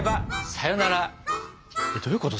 えっどういうこと？